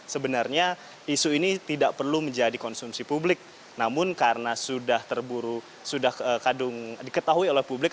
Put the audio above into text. sebenarnya isu ini tidak perlu menjadi konsumsi publik namun karena sudah terburu sudah kadung diketahui oleh publik